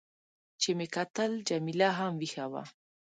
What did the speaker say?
چې مې کتل، جميله هم وېښه وه.